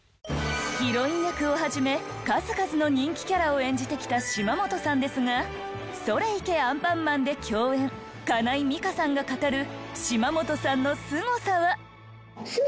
ヒロイン役をはじめ数々の人気キャラを演じてきた島本さんですが『それいけ！アンパンマン』で共演かないみかさんが語る島本さんのスゴさは。